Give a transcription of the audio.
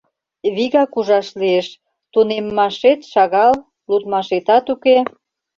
Вигак ужаш лиеш: тунеммашет шагал, лудмашетат уке.